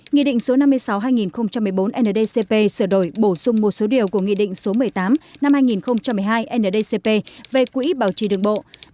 nghị định số năm mươi sáu hai nghìn một mươi bốn ndcp sửa đổi bổ sung một số điều của nghị định số một mươi tám năm hai nghìn một mươi hai ndcp về quỹ bảo trì đường bộ